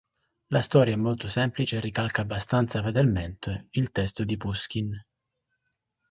La storia è molto semplice e ricalca abbastanza fedelmente il testo di Puškin.